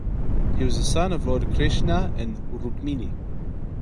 He was the son of Lord Krishna and Rukmini.